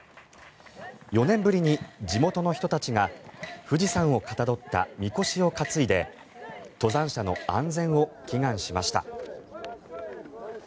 ４年ぶりに地元の人たちが富士山をかたどったみこしを担いで登山者の安全を祈願しました。